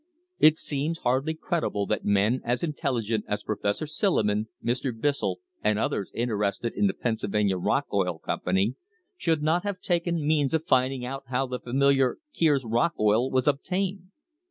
It seems hardly credible that men as intelligent as Professor Silliman, Mr. Bissell, and others interested in the Pennsylvania Rock Oil Company, should not have taken means of finding out how the familiar "Kier's Rock Oil" was obtained.